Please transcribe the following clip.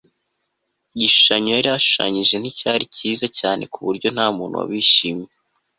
igishushanyo yari ashushanyije nticyari cyiza cyane kuburyo ntamuntu wabishimye